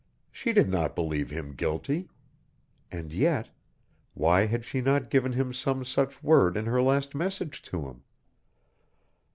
She did not believe him guilty. And yet why had she not given him some such word in her last message to him?